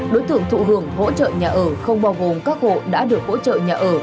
đối tượng thụ hưởng hỗ trợ nhà ở không bao gồm các hộ đã được hỗ trợ nhà ở